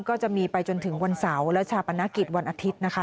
ก็จะมีไปจนถึงวันเสาร์และชาปนกิจวันอาทิตย์นะคะ